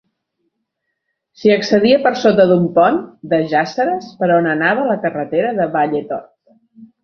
S'hi accedia per sota d'un pont de jàsseres per on anava la carretera de Valletort.